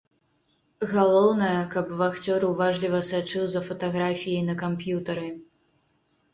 Галоўнае, каб вахцёр уважліва сачыў за фатаграфіяй на камп'ютары.